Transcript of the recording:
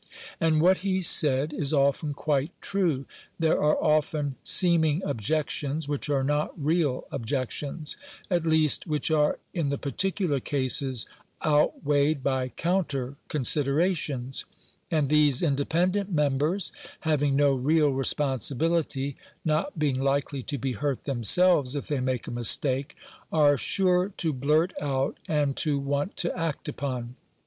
And what he said is often quite true. There are often seeming objections which are not real objections; at least, which are, in the particular cases, outweighed by counter considerations; and these "independent members," having no real responsibility, not being likely to be hurt themselves if they make a mistake, are sure to blurt out, and to want to act upon.